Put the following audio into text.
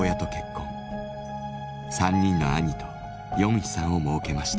３人の兄とヨンヒさんをもうけました。